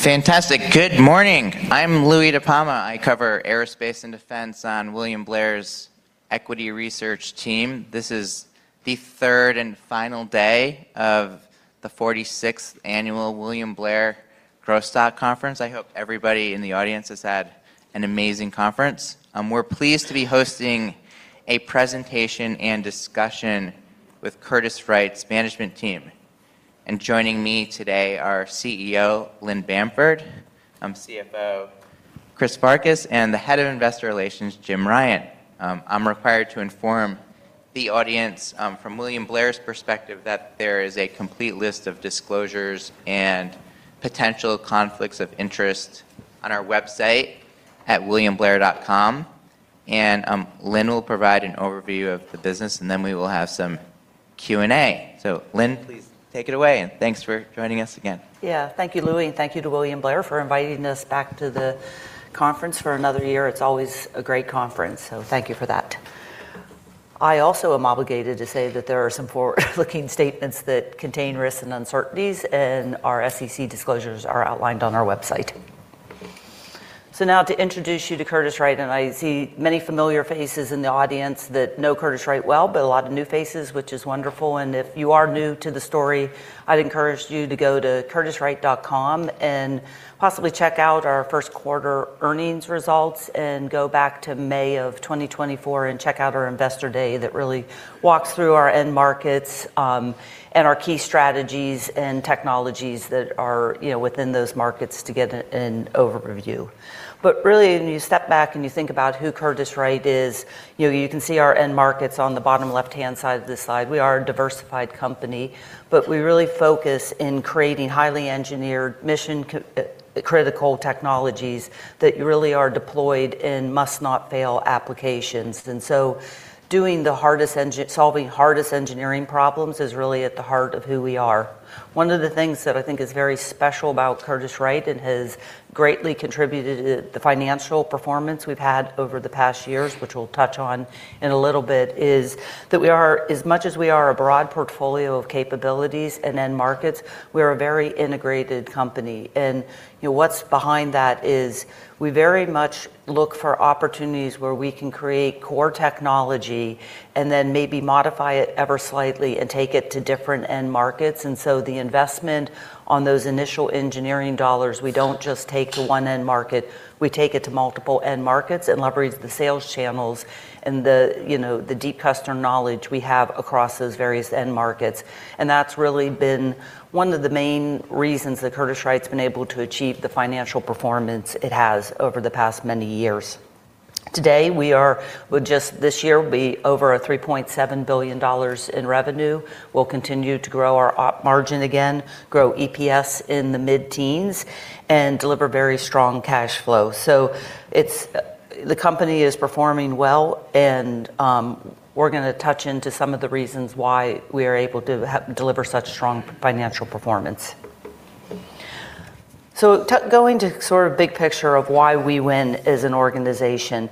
Fantastic. Good morning. I'm Louie DiPalma. I cover aerospace and defense on William Blair's equity research team. This is the third and final day of the 46th annual William Blair Growth Stock Conference. I hope everybody in the audience has had an amazing conference. We're pleased to be hosting a presentation and discussion with Curtiss-Wright's management team. Joining me today are CEO Lynn Bamford, CFO Chris Farkas, and the Head of Investor Relations, Jim Ryan. I'm required to inform the audience, from William Blair's perspective, that there is a complete list of disclosures and potential conflicts of interest on our website at williamblair.com. Lynn will provide an overview of the business, and then we will have some Q&A. Lynn, please take it away, and thanks for joining us again. Thank you, Louie, and thank you to William Blair for inviting us back to the conference for another year. It's always a great conference. Thank you for that. I also am obligated to say that there are some forward-looking statements that contain risks and uncertainties, and our SEC disclosures are outlined on our website. Now to introduce you to Curtiss-Wright, and I see many familiar faces in the audience that know Curtiss-Wright well, but a lot of new faces, which is wonderful. If you are new to the story, I'd encourage you to go to curtisswright.com and possibly check out our first quarter earnings results and go back to May of 2024 and check out our Investor Day that really walks through our end markets, and our key strategies and technologies that are within those markets to get an overview. Really, when you step back and you think about who Curtiss-Wright is, you can see our end markets on the bottom left-hand side of this slide. We are a diversified company, but we really focus in creating highly engineered mission-critical technologies that really are deployed in must-not-fail applications. Solving the hardest engineering problems is really at the heart of who we are. One of the things that I think is very special about Curtiss-Wright and has greatly contributed to the financial performance we've had over the past years, which we'll touch on in a little bit, is that as much as we are a broad portfolio of capabilities and end markets, we're a very integrated company. What's behind that is we very much look for opportunities where we can create core technology and then maybe modify it ever slightly and take it to different end markets. The investment on those initial engineering dollars, we don't just take to one end market, we take it to multiple end markets and leverage the sales channels and the deep customer knowledge we have across those various end markets. That's really been one of the main reasons that Curtiss-Wright's been able to achieve the financial performance it has over the past many years. Today, just this year, we'll be over $3.7 billion in revenue. We'll continue to grow our op margin again, grow EPS in the mid-teens, and deliver very strong cash flow. The company is performing well, and we're going to touch into some of the reasons why we are able to deliver such strong financial performance. Going to sort of big picture of why we win as an organization.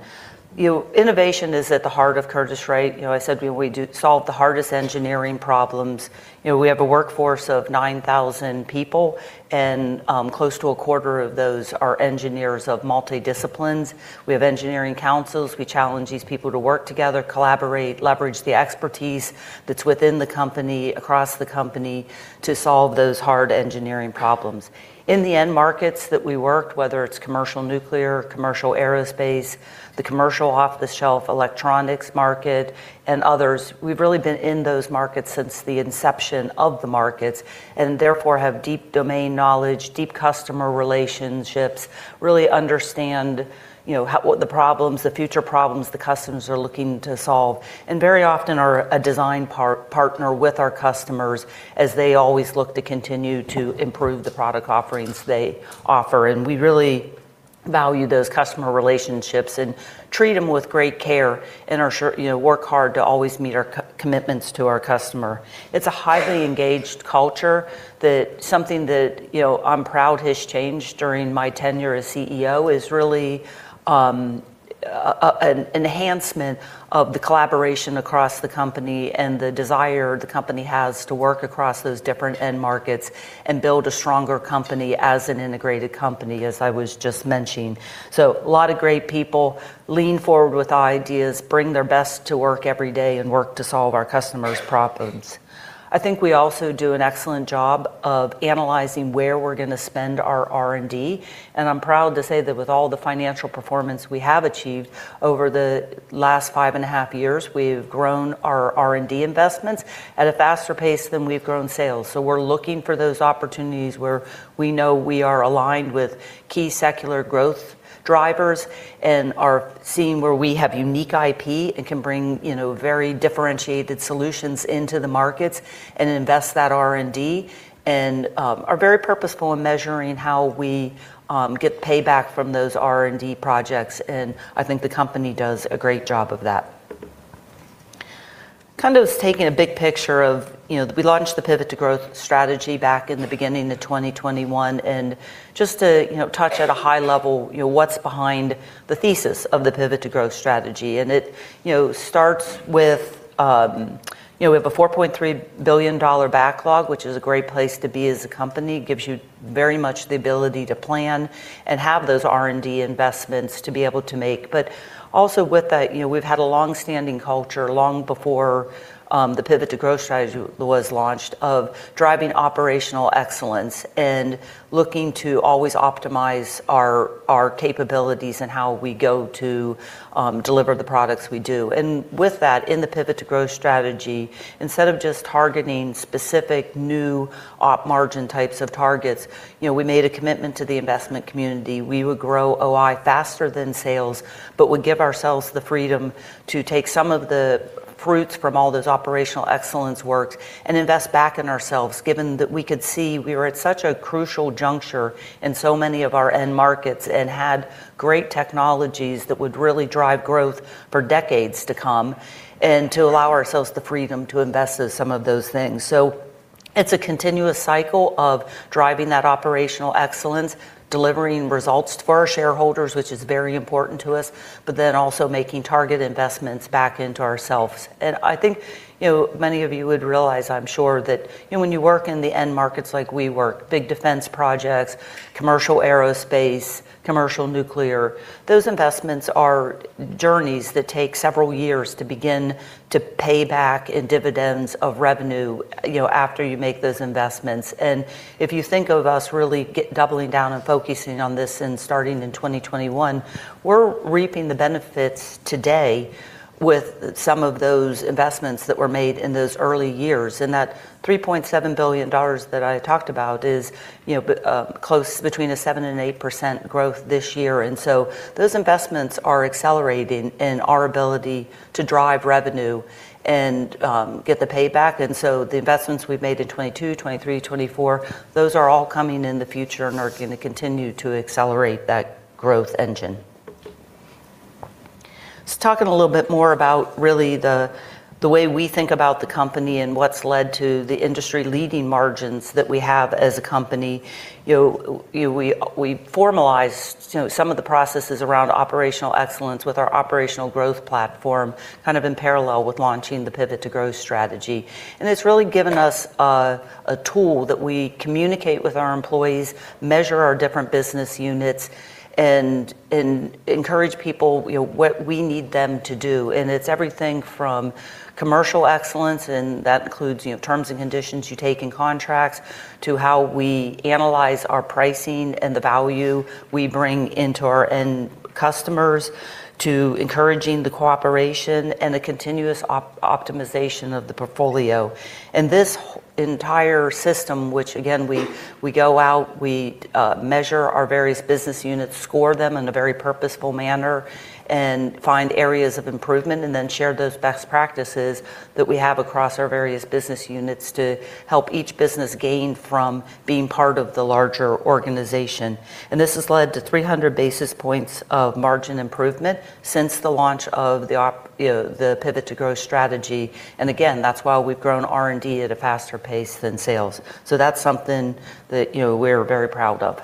Innovation is at the heart of Curtiss-Wright. I said we solve the hardest engineering problems. We have a workforce of 9,000 people, and close to a quarter of those are engineers of multi-disciplines. We have engineering councils. We challenge these people to work together, collaborate, leverage the expertise that's within the company, across the company to solve those hard engineering problems. In the end markets that we work, whether it's commercial nuclear, commercial aerospace, the commercial off-the-shelf electronics market, and others, we've really been in those markets since the inception of the markets, and therefore have deep domain knowledge, deep customer relationships, really understand the problems, the future problems the customers are looking to solve. Very often are a design partner with our customers as they always look to continue to improve the product offerings they offer. We really value those customer relationships and treat them with great care and work hard to always meet our commitments to our customer. It's a highly engaged culture that something that I'm proud has changed during my tenure as CEO is really an enhancement of the collaboration across the company and the desire the company has to work across those different end markets and build a stronger company as an integrated company, as I was just mentioning. A lot of great people lean forward with ideas, bring their best to work every day, and work to solve our customers' problems. I think we also do an excellent job of analyzing where we're going to spend our R&D, and I'm proud to say that with all the financial performance we have achieved over the last 5.5 years, we've grown our R&D investments at a faster pace than we've grown sales. We're looking for those opportunities where we know we are aligned with key secular growth drivers and are seeing where we have unique IP and can bring very differentiated solutions into the markets and invest that R&D, and are very purposeful in measuring how we get payback from those R&D projects, and I think the company does a great job of that. Kind of taking a big picture of, we launched the Pivot to Growth strategy back in the beginning of 2021, and just to touch at a high level what's behind the thesis of the Pivot to Growth strategy. It starts with, we have a $4.3 billion backlog, which is a great place to be as a company. It gives you very much the ability to plan and have those R&D investments to be able to make. Also with that, we've had a longstanding culture, long before the Pivot to Growth strategy was launched, of driving operational excellence and looking to always optimize our capabilities and how we go to deliver the products we do. With that, in the Pivot to Growth strategy, instead of just targeting specific new op margin types of targets, we made a commitment to the investment community. We would grow OI faster than sales, but would give ourselves the freedom to take some of the fruits from all those operational excellence works and invest back in ourselves, given that we could see we were at such a crucial juncture in so many of our end markets and had great technologies that would really drive growth for decades to come, and to allow ourselves the freedom to invest in some of those things. It's a continuous cycle of driving that operational excellence, delivering results for our shareholders, which is very important to us, but then also making target investments back into ourselves. I think many of you would realize, I'm sure, that when you work in the end markets like we work, big defense projects, commercial aerospace, commercial nuclear, those investments are journeys that take several years to begin to pay back in dividends of revenue after you make those investments. If you think of us really doubling down and focusing on this and starting in 2021, we're reaping the benefits today with some of those investments that were made in those early years. That $3.7 billion that I talked about is between a 7%-8% growth this year. Those investments are accelerating in our ability to drive revenue and get the payback. The investments we've made in 2022, 2023, 2024, those are all coming in the future and are going to continue to accelerate that growth engine. Talking a little bit more about really the way we think about the company and what's led to the industry-leading margins that we have as a company. We formalize some of the processes around operational excellence with our Operational Growth Platform, kind of in parallel with launching the Pivot to Growth strategy. It's really given us a tool that we communicate with our employees, measure our different business units, and encourage people what we need them to do. It's everything from commercial excellence, and that includes terms and conditions you take in contracts, to how we analyze our pricing and the value we bring into our end customers, to encouraging the cooperation and the continuous optimization of the portfolio. This entire system, which again, we go out, we measure our various business units, score them in a very purposeful manner, and find areas of improvement, and then share those best practices that we have across our various business units to help each business gain from being part of the larger organization. This has led to 300 basis points of margin improvement since the launch of the Pivot to Growth strategy. Again, that's why we've grown R&D at a faster pace than sales. That's something that we're very proud of.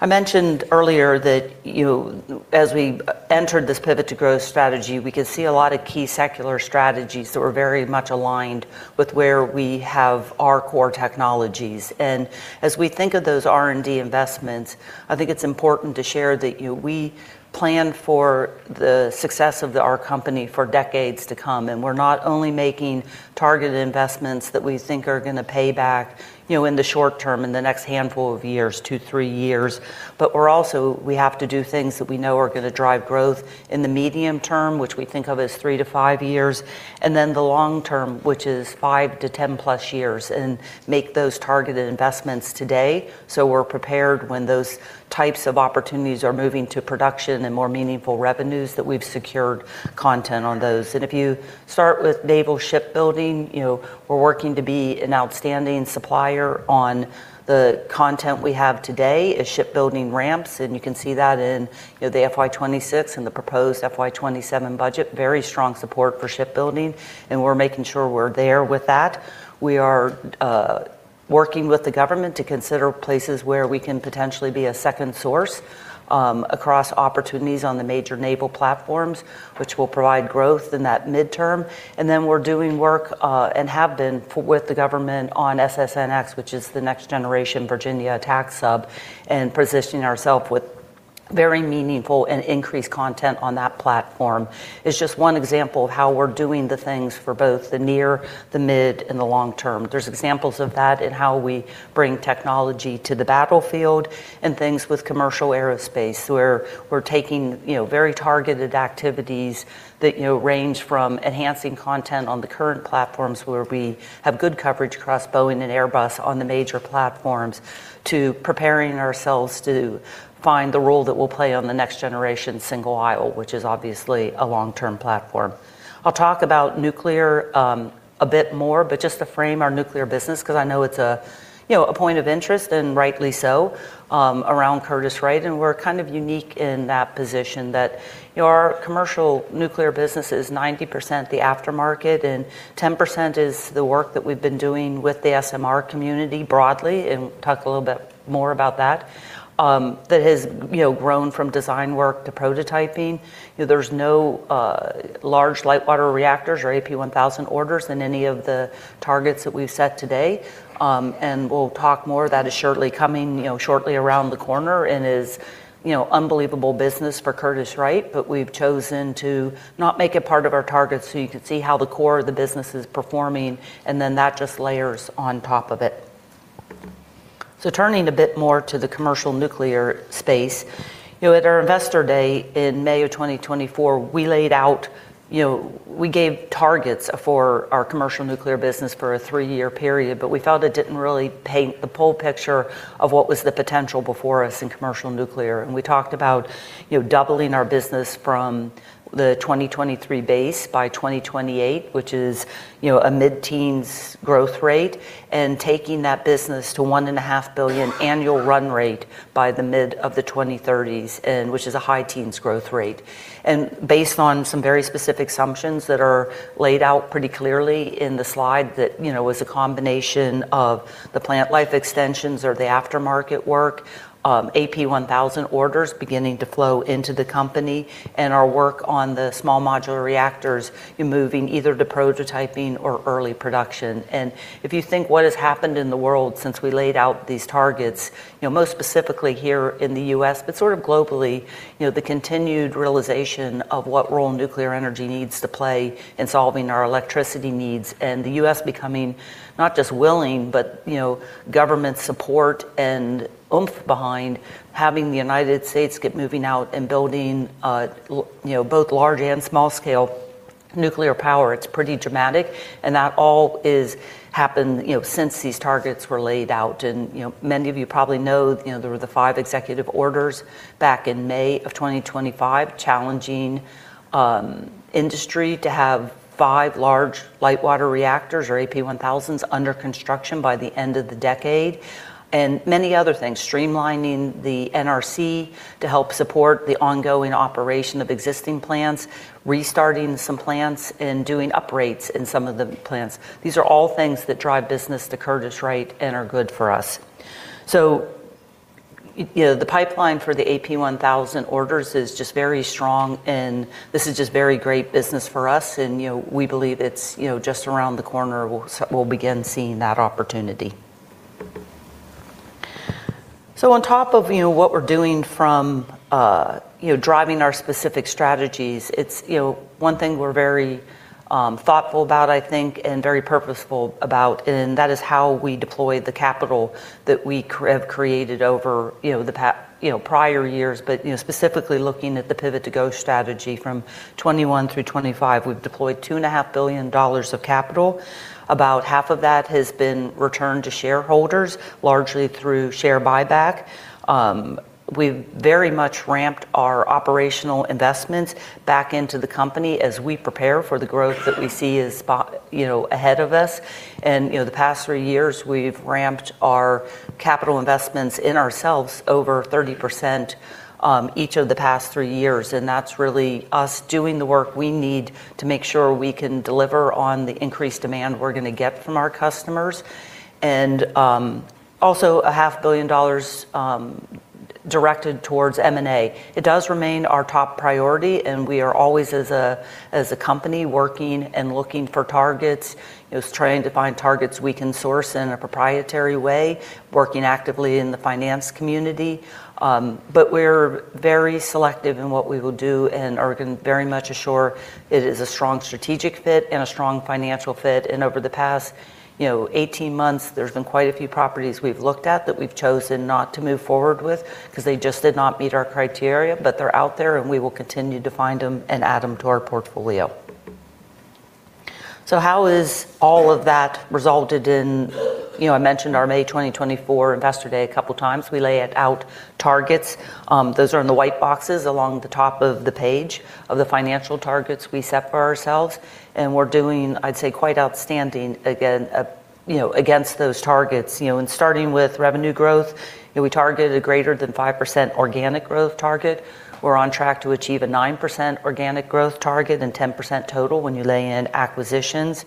I mentioned earlier that as we entered this Pivot to Growth strategy, we could see a lot of key secular strategies that were very much aligned with where we have our core technologies. As we think of those R&D investments, I think it's important to share that we plan for the success of our company for decades to come, and we're not only making targeted investments that we think are going to pay back in the short term, in the next handful of years, two, three years. We have to do things that we know are going to drive growth in the medium term, which we think of as three to five years, and then the long term, which is 5 to 10+ years, and make those targeted investments today, so we're prepared when those types of opportunities are moving to production and more meaningful revenues that we've secured content on those. If you start with naval shipbuilding, we're working to be an outstanding supplier on the content we have today as shipbuilding ramps, you can see that in the FY 2026 and the proposed FY 2027 budget. Very strong support for shipbuilding, we're making sure we're there with that. We are working with the government to consider places where we can potentially be a second source across opportunities on the major naval platforms, which will provide growth in that midterm. Then we're doing work, and have been with the government on SSNX, which is the next generation Virginia attack sub, and positioning ourself with very meaningful and increased content on that platform is just one example of how we're doing the things for both the near, the mid, and the long-term. There's examples of that in how we bring technology to the battlefield and things with commercial aerospace, where we're taking very targeted activities that range from enhancing content on the current platforms where we have good coverage across Boeing and Airbus on the major platforms to preparing ourselves to find the role that we'll play on the next generation single aisle, which is obviously a long-term platform. I'll talk about nuclear a bit more, but just to frame our nuclear business, because I know it's a point of interest, and rightly so, around Curtiss-Wright, and we're kind of unique in that position that our commercial nuclear business is 90% the aftermarket and 10% is the work that we've been doing with the SMR community broadly, and we'll talk a little bit more about that. That has grown from design work to prototyping. There's no large light water reactors or AP1000 orders in any of the targets that we've set today, and we'll talk more. That is surely coming shortly around the corner and is unbelievable business for Curtiss-Wright, but we've chosen to not make it part of our targets so you can see how the core of the business is performing, and then that just layers on top of it. Turning a bit more to the commercial nuclear space. At our investor day in May of 2024, we gave targets for our commercial nuclear business for a three-year period, but we felt it didn't really paint the whole picture of what was the potential before us in commercial nuclear. We talked about doubling our business from the 2023 base by 2028, which is a mid-teens growth rate, and taking that business to $1.5 billion annual run rate by the mid of the 2030s, which is a high teens growth rate. Based on some very specific assumptions that are laid out pretty clearly in the slide that was a combination of the plant life extensions or the aftermarket work, AP1000 orders beginning to flow into the company and our work on the small modular reactors moving either to prototyping or early production. If you think what has happened in the world since we laid out these targets, most specifically here in the U.S., but sort of globally, the continued realization of what role nuclear energy needs to play in solving our electricity needs and the U.S. becoming not just willing, but government support and oomph behind having the United States get moving out and building both large and small-scale nuclear power, it's pretty dramatic, and that all has happened since these targets were laid out. Many of you probably know there were the five executive orders back in May of 2025 challenging industry to have five large light water reactors or AP1000s under construction by the end of the decade, and many other things, streamlining the NRC to help support the ongoing operation of existing plants, restarting some plants and doing upgrades in some of the plants. These are all things that drive business to Curtiss-Wright and are good for us. The pipeline for the AP1000 orders is just very strong, and this is just very great business for us, and we believe it's just around the corner we'll begin seeing that opportunity. On top of what we're doing from driving our specific strategies, it's one thing we're very thoughtful about, I think, and very purposeful about, and that is how we deploy the capital that we have created over the prior years. Specifically looking at the Pivot to Growth strategy from 2021 through 2025, we've deployed $2.5 billion of capital. About half of that has been returned to shareholders, largely through share buyback. We've very much ramped our operational investments back into the company as we prepare for the growth that we see is ahead of us. The past three years, we've ramped our capital investments in ourselves over 30% each of the past three years. That's really us doing the work we need to make sure we can deliver on the increased demand we're going to get from our customers. Also a $500 million directed towards M&A. It does remain our top priority, and we are always as a company, working and looking for targets, trying to find targets we can source in a proprietary way, working actively in the finance community. We're very selective in what we will do and are very much assured it is a strong strategic fit and a strong financial fit. Over the past 18 months, there's been quite a few properties we've looked at that we've chosen not to move forward with because they just did not meet our criteria. They're out there, and we will continue to find them and add them to our portfolio. How is all of that resulted in, I mentioned our May 2024 Investor Day a couple of times. We lay out targets. Those are in the white boxes along the top of the page of the financial targets we set for ourselves, and we're doing, I'd say, quite outstanding again against those targets. Starting with revenue growth, we targeted a greater than 5% organic growth target. We're on track to achieve a 9% organic growth target and 10% total when you lay in acquisitions.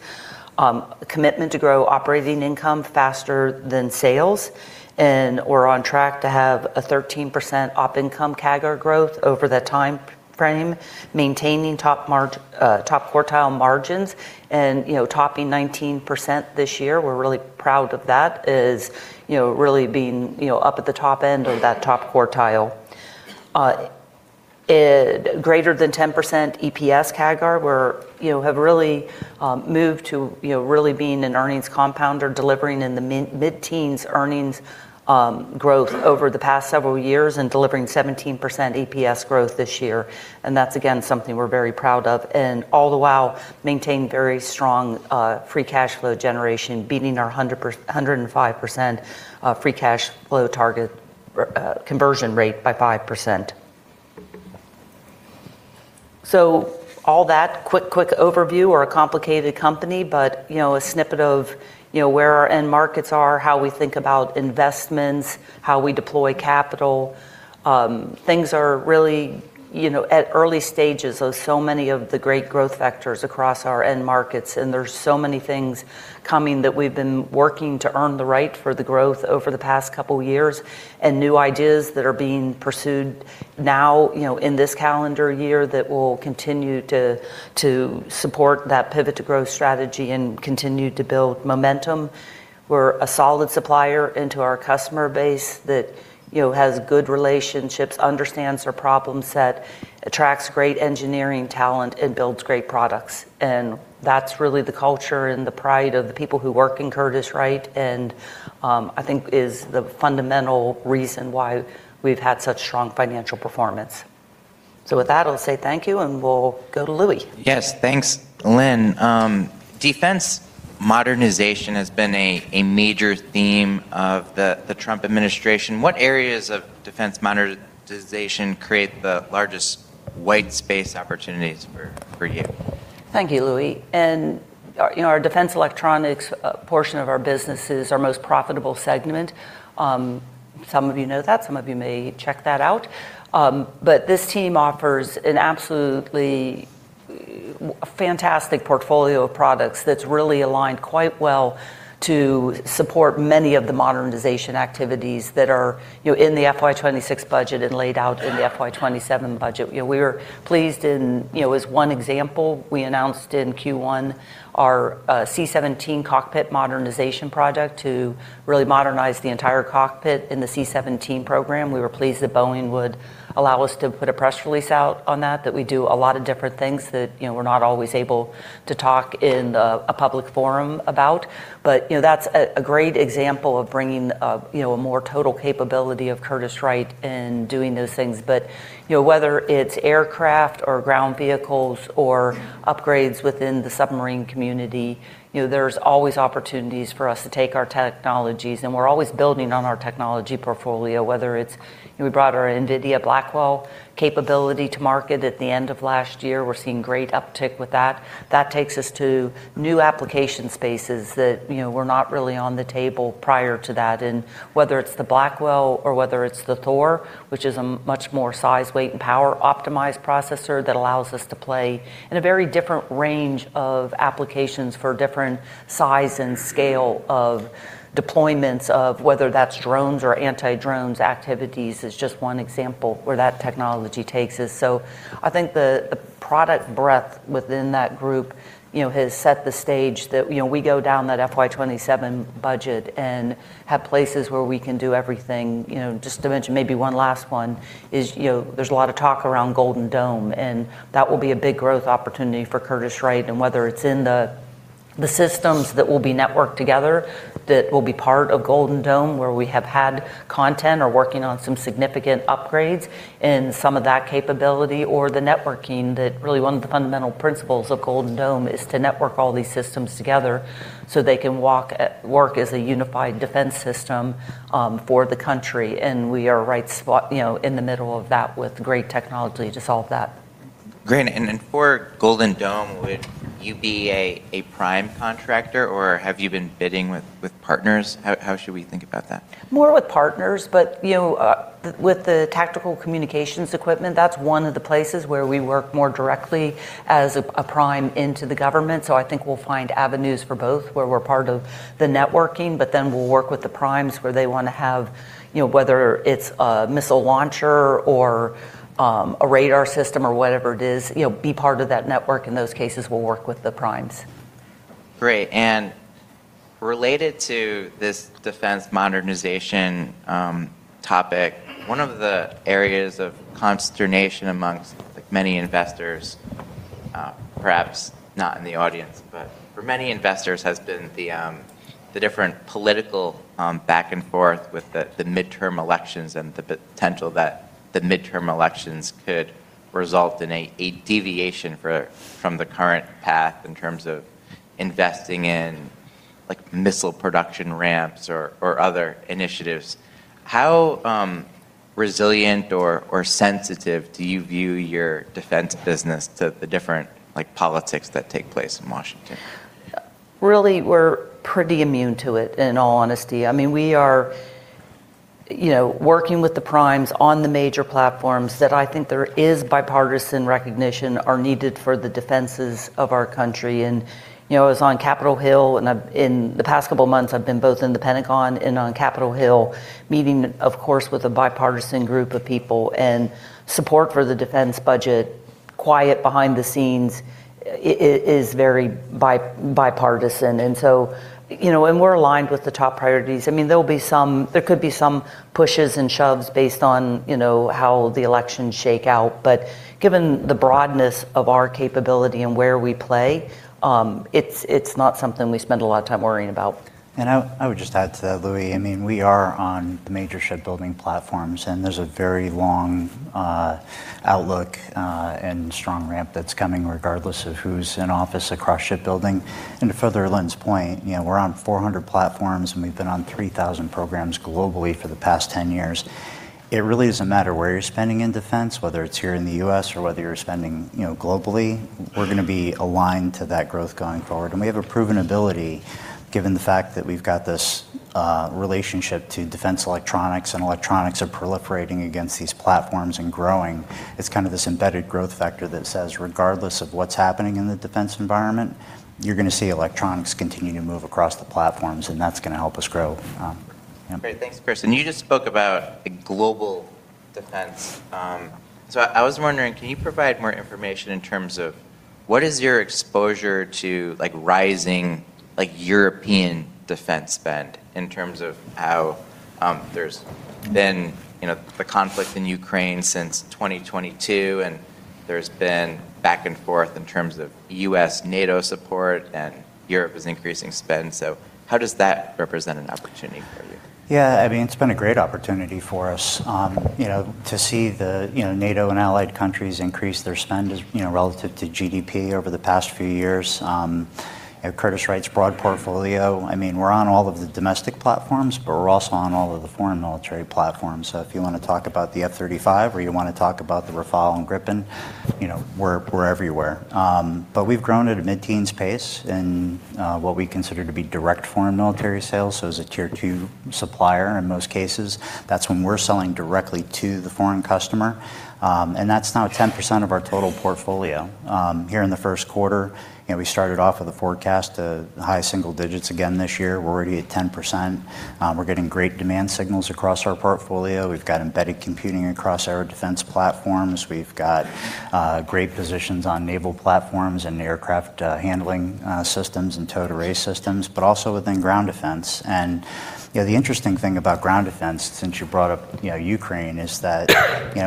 Commitment to grow operating income faster than sales, and we're on track to have a 13% op income CAGR growth over that timeframe, maintaining top quartile margins and topping 19% this year. We're really proud of that as really being up at the top end of that top quartile. Greater than 10% EPS CAGR. We have really moved to really being an earnings compounder, delivering in the mid-teens earnings growth over the past several years and delivering 17% EPS growth this year. That's, again, something we're very proud of. All the while, maintain very strong free cash flow generation, beating our 105% free cash flow target conversion rate by 5%. All that. Quick overview. We're a complicated company, but a snippet of where our end markets are, how we think about investments, how we deploy capital. Things are really at early stages of so many of the great growth vectors across our end markets. There's so many things coming that we've been working to earn the right for the growth over the past couple years. New ideas that are being pursued now in this calendar year that will continue to support that Pivot to Growth strategy and continue to build momentum. We're a solid supplier into our customer base that has good relationships, understands their problem set, attracts great engineering talent, and builds great products. That's really the culture and the pride of the people who work in Curtiss-Wright, and I think is the fundamental reason why we've had such strong financial performance. With that, I'll say thank you, and we'll go to Louie. Yes. Thanks, Lynn. Defense modernization has been a major theme of the Trump administration. What areas of defense modernization create the largest white space opportunities for you? Thank you, Louie. Our defense electronics portion of our business is our most profitable segment. Some of you know that, some of you may check that out. This team offers an absolutely fantastic portfolio of products that's really aligned quite well to support many of the modernization activities that are in the FY 2026 budget and laid out in the FY 2027 budget. We were pleased in, as one example, we announced in Q1 our C-17 cockpit modernization project to really modernize the entire cockpit in the C-17 program. We were pleased that Boeing would allow us to put a press release out on that we do a lot of different things that we're not always able to talk in a public forum about. That's a great example of bringing a more total capability of Curtiss-Wright in doing those things. Whether it's aircraft or ground vehicles or upgrades within the submarine community, there's always opportunities for us to take our technologies, and we're always building on our technology portfolio. We brought our NVIDIA Blackwell capability to market at the end of last year. We're seeing great uptick with that. That takes us to new application spaces that were not really on the table prior to that. Whether it's the Blackwell or whether it's the Thor, which is a much more size, weight, and power-optimized processor that allows us to play in a very different range of applications for different size and scale of deployments of, whether that's drones or anti-drones activities, is just one example where that technology takes us. I think the product breadth within that group has set the stage that we go down that FY 2027 budget and have places where we can do everything. Just to mention maybe one last one is there's a lot of talk around Golden Dome, and that will be a big growth opportunity for Curtiss-Wright, and whether it's in the systems that will be networked together that will be part of Golden Dome, where we have had content or working on some significant upgrades in some of that capability, or the networking that really one of the fundamental principles of Golden Dome is to network all these systems together so they can work as a unified defense system for the country. We are right in the middle of that with great technology to solve that. Great. Then for Golden Dome, would you be a prime contractor, or have you been bidding with partners? How should we think about that? More with partners. With the tactical communications equipment, that's one of the places where we work more directly as a prime into the government. I think we'll find avenues for both, where we're part of the networking, but then we'll work with the primes where they want to have, whether it's a missile launcher or a radar system or whatever it is, be part of that network. In those cases, we'll work with the primes. Great. Related to this defense modernization topic, one of the areas of consternation amongst many investors, perhaps not in the audience, but for many investors, has been the different political back and forth with the midterm elections and the potential that the midterm elections could result in a deviation from the current path in terms of investing in missile production ramps or other initiatives. How resilient or sensitive do you view your defense business to the different politics that take place in Washington? Really, we're pretty immune to it, in all honesty. We are working with the primes on the major platforms that I think there is bipartisan recognition are needed for the defenses of our country. I was on Capitol Hill, and in the past couple months, I've been both in the Pentagon and on Capitol Hill meeting, of course, with a bipartisan group of people, and support for the defense budget, quiet behind the scenes, is very bipartisan. There could be some pushes and shoves based on how the elections shake out. Given the broadness of our capability and where we play, it's not something we spend a lot of time worrying about. I would just add to that, Louie, we are on the major shipbuilding platforms, and there's a very long outlook and strong ramp that's coming regardless of who's in office across shipbuilding. To further Lynn's point, we're on 400 platforms, and we've been on 3,000 programs globally for the past 10 years. It really doesn't matter where you're spending in defense, whether it's here in the U.S. or whether you're spending globally, we're going to be aligned to that growth going forward. We have a proven ability, given the fact that we've got this relationship to defense electronics, and electronics are proliferating against these platforms and growing. It's kind of this embedded growth factor that says regardless of what's happening in the defense environment, you're going to see electronics continue to move across the platforms, and that's going to help us grow. Great. Thanks, Chris. You just spoke about a global defense. I was wondering, can you provide more information in terms of what is your exposure to rising European defense spend in terms of how there's been the conflict in Ukraine since 2022, and there's been back and forth in terms of U.S. NATO support, and Europe is increasing spend. How does that represent an opportunity for you? Yeah, it's been a great opportunity for us to see the NATO and allied countries increase their spend relative to GDP over the past few years. Curtiss-Wright's broad portfolio, we're on all of the domestic platforms, but we're also on all of the foreign military platforms. If you want to talk about the F-35 or you want to talk about the Rafale and Gripen, we're everywhere. We've grown at a mid-teens pace in what we consider to be direct foreign military sales. As a tier 2 supplier, in most cases, that's when we're selling directly to the foreign customer. That's now 10% of our total portfolio. Here in the first quarter, we started off with a forecast of high single digits again this year. We're already at 10%. We're getting great demand signals across our portfolio. We've got embedded computing across our defense platforms. We've got great positions on naval platforms and aircraft handling systems and towed array systems, but also within ground defense. The interesting thing about ground defense, since you brought up Ukraine, is that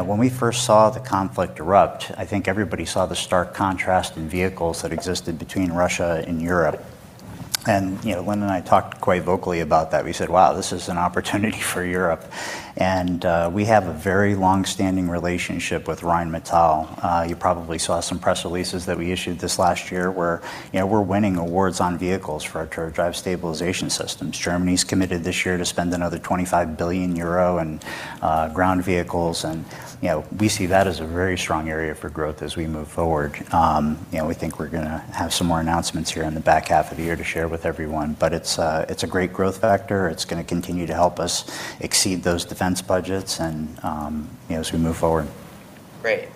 when we first saw the conflict erupt, I think everybody saw the stark contrast in vehicles that existed between Russia and Europe. Lynn and I talked quite vocally about that. We said, Wow, this is an opportunity for Europe. We have a very long-standing relationship with Rheinmetall. You probably saw some press releases that we issued this last year where we're winning awards on vehicles for our turret drive stabilization systems. Germany's committed this year to spend another 25 billion euro on ground vehicles, we see that as a very strong area for growth as we move forward. We think we're going to have some more announcements here in the back half of the year to share with everyone. It's a great growth factor. It's going to continue to help us exceed those defense budgets as we move forward. Great.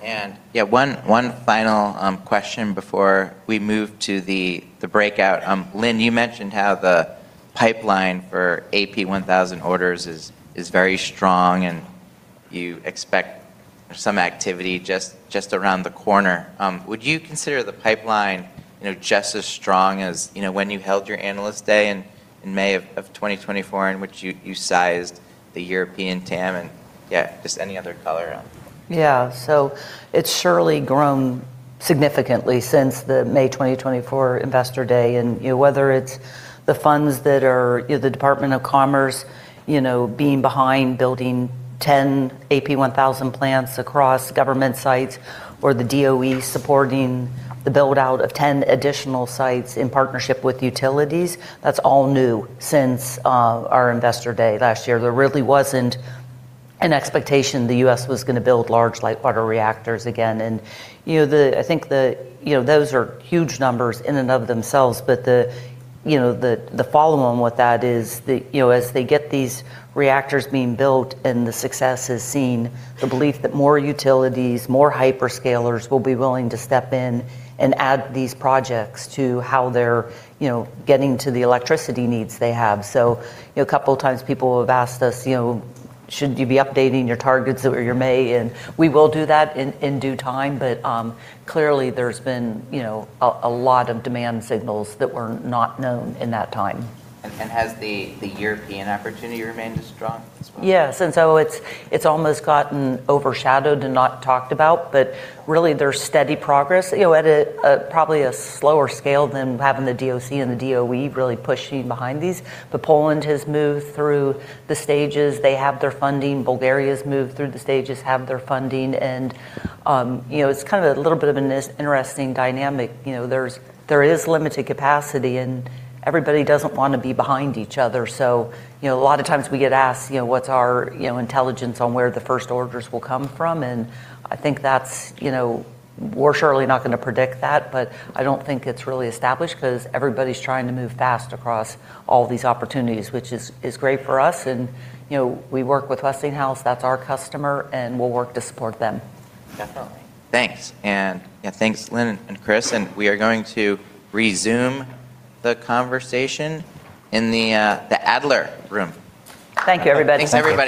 One final question before we move to the breakout. Lynn, you mentioned how the pipeline for AP1000 orders is very strong, and you expect some activity just around the corner. Would you consider the pipeline just as strong as when you held your Analyst Day in May of 2024, in which you sized the European TAM? Yeah, just any other color on that. Yeah. It's surely grown significantly since the May 2024 Investor Day. Whether it's the funds that are the Department of Commerce being behind building 10 AP1000 plants across government sites or the DOE supporting the build-out of 10 additional sites in partnership with utilities, that's all new since our Investor Day last year. There really wasn't an expectation the U.S. was going to build large light water reactors again. I think those are huge numbers in and of themselves. The follow on with that is as they get these reactors being built and the success is seen, the belief that more utilities, more hyperscalers will be willing to step in and add these projects to how they're getting to the electricity needs they have. A couple of times people have asked us, "Should you be updating your targets or your may?" We will do that in due time. Clearly, there's been a lot of demand signals that were not known in that time. Has the European opportunity remained as strong as well? Yes. It's almost gotten overshadowed and not talked about. Really, there's steady progress, at probably a slower scale than having the DOC and the DOE really pushing behind these. Poland has moved through the stages. They have their funding. Bulgaria's moved through the stages, have their funding, and it's a little bit of an interesting dynamic. There is limited capacity, and everybody doesn't want to be behind each other. A lot of times we get asked what's our intelligence on where the first orders will come from, and I think we're surely not going to predict that, but I don't think it's really established because everybody's trying to move fast across all these opportunities, which is great for us. We work with Westinghouse. That's our customer, and we'll work to support them. Definitely. Thanks. Thanks, Lynn and Chris. We are going to resume the conversation in the Adler Room. Thank you, everybody. Thanks, everyone.